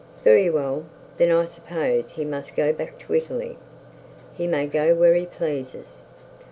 'Very well. Then I suppose he must go back to Italy.' 'He may go where he pleases.'